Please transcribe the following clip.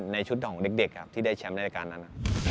ในชุดของเด็กครับที่ได้แชมป์ในรายการนั้น